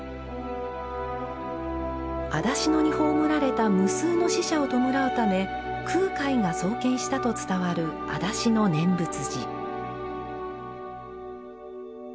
化野に葬られた無数の死者を弔うため空海が創建したと伝わる化野念仏寺。